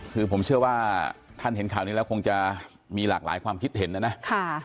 คือผมเชื่อว่าท่านเห็นข่าวนี้แล้วคงจะมีหลากหลายความคิดเห็นนะนะ